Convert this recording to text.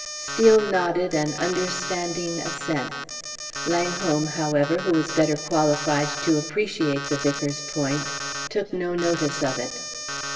Steel nodded an understanding assent. Langholm, however, who was better qualified to appreciate the vicar's point, took no notice of it.